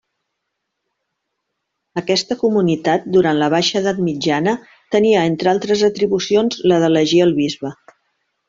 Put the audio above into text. Aquesta comunitat, durant la baixa edat mitjana, tenia entre altres atribucions la d'elegir el bisbe.